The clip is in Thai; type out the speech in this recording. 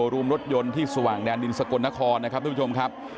รุมรถยนต์ที่สว่างแดนดินสกลนครนะครับทุกผู้ชมครับ